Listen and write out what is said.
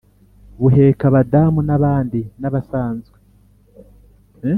Buheka Abadamu nabandi nabsanzwe